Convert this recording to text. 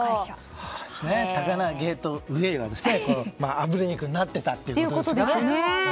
高輪ゲートウェイはあぶり肉になっていたということですね。